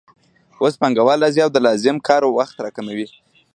اوس پانګوال راځي او د لازم کار وخت راکموي